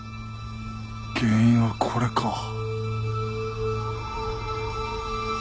原因はこれか。